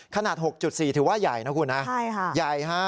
ขนาด๖๔ถือว่าใหญ่นะคุณฮะใหญ่ฮะ